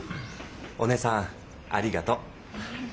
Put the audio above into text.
お義姉さんありがとう。